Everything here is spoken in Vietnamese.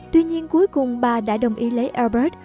tuy nhiên cuối cùng bà đã đồng ý lấy airbus